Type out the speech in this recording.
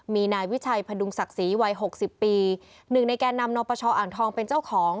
มีนายวิชัยพดุงศักดิ์ศรีวัยหกสิบปีหนึ่งในแก่นำนปชอ่างทองเป็นเจ้าของ